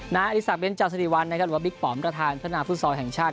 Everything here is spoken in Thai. นาอลิสักเบนเจ้าศรีวัลหรือว่าบิ๊กปอมประธานพัฒนาภูมิสร้อยแห่งชาติ